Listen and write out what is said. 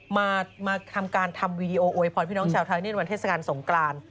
มาทำการทำวีดีโอโวยพรพี่น้องชาวไทยเนียนวันเทศกาลสงกราน